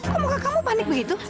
kok kamu panik begitu